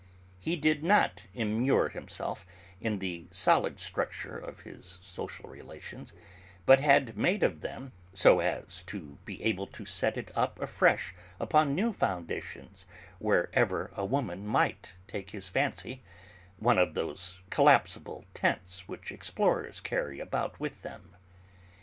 He did not immure himself in the solid structure of his social relations, but had made of them, so as to be able to set it up afresh upon new foundations wherever a woman might take his fancy, one of those collapsible tents which explorers carry about with them.